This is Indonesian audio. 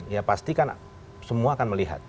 ya pasti kan semua akan melihat